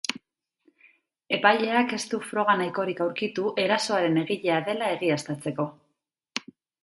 Epaileak ez du froga nahikorik aurkitu erasoaren egilea dela egiaztatzeko.